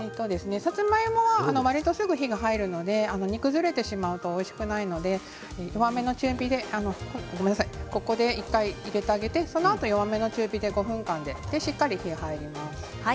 さつまいもはわりとすぐ火が入るので煮崩れてしまうとおいしくないのでここで入れて、そのあと弱めの中火で５分間しっかり火が入ります。